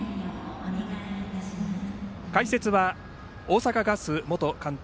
解説は大阪ガス元監督